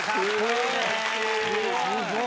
すごい！